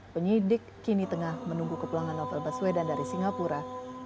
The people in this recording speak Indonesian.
penyidik kini tengah menunggu kepulangan novel baswedan dari singapura